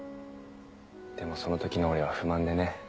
でもそのときの俺は不満でね